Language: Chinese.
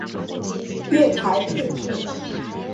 月台配置